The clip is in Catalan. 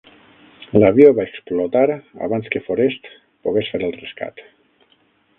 L"avió va explotar abans que Forest pogués fer el rescat.